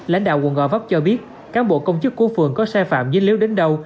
lãnh đạo quận gò vấp cho biết cán bộ công chức của phường có sai phạm dưới líu đến đâu